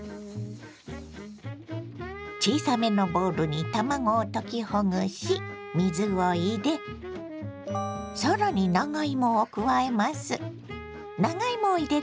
小さめのボウルに卵を溶きほぐし水を入れ更に長芋を加えます。